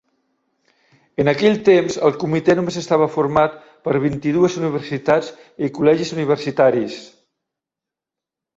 En aquell temps, el comitè només estava format per vint-i-dues universitats i col·legis universitaris.